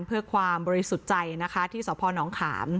เพื่อความบริสุทธิ์ใจนะคะที่สพนขาม